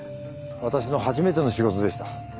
私の初めての仕事でした。